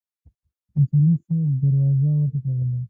اصولي صیب دروازه وټکوله.